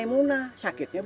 ya kagak lah be